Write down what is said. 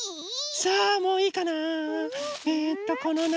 さあもういいかな。